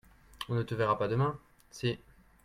On ne te verra pas demain ? Si.